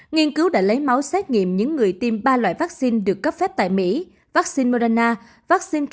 nghiên cứu đã lấy máu xét nghiệm những người tiêm ba loại vaccine được cấp phép tại mỹ vaccine moderna vaccine johnson johnson và vaccine pfizer